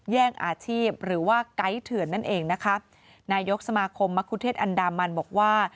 แย่งอาชีพหรือว่าไกด์เถื่อนนั่นเองนะคะนายกสมาคมมะคุเทศอันดามันบอกว่า